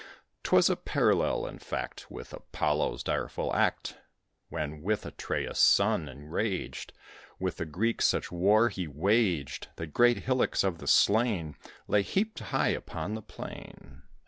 'Twas a parallel, in fact, With Apollo's direful act, When, with Atreus' son enraged, With the Greeks such war he waged, That great hillocks of the slain Lay heaped high upon the plain.